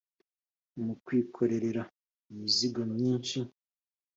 Mu kwikorera imizigo myinshi